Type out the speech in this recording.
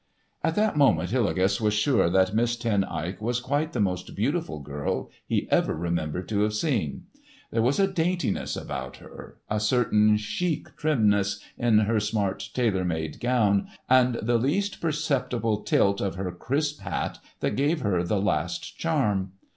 At that moment Hillegas was sure that Miss Ten Eyck was quite the most beautiful girl he ever remembered to have seen. There was a daintiness about her—a certain chic trimness in her smart tailor made gown, and the least perceptible tilt of her crisp hat that gave her the last charm.